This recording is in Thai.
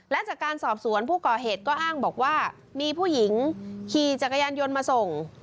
และจากการสอบสวนผู้ก่อเหตุก็อ้างบอกว่ามีผู้หญิงขี่จักรยานยนต์มาส่ง